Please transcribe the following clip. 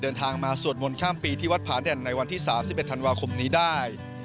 เดินทางมาสวดมนต์ข้ามปีที่วัดผาแด่นในวันที่๓๑ธันวาคมนี้ได้